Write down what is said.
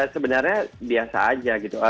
sebenarnya biasa aja gitu